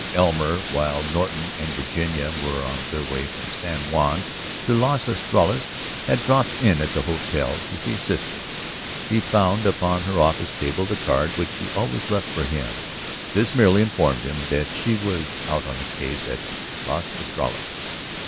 Elmer, while Norton and Virginia were on their way from San Juan to Las Estrellas, had dropped in at the hotel to see his sister. He found upon her office table the card which she always left for him; this merely informed him that she was "out on a case at Las Estrellas."